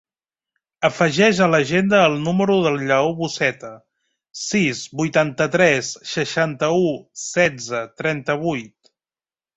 Afegeix a l'agenda el número del Lleó Buceta: sis, vuitanta-tres, seixanta-u, setze, trenta-vuit.